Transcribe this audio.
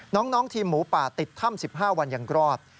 น้องทีมหมูป่าติดถ้ำ๑๕วันยังรอด